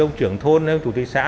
còn ông trưởng thôn ông chủ tịch xã